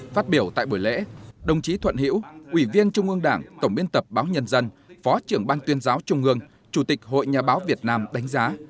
phát biểu tại buổi lễ đồng chí thuận hiễu ủy viên trung ương đảng tổng biên tập báo nhân dân phó trưởng ban tuyên giáo trung ương chủ tịch hội nhà báo việt nam đánh giá